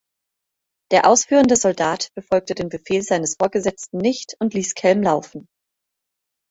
Der ausführende Soldat befolgte den Befehl seines Vorgesetzten nicht und ließ Kelm laufen.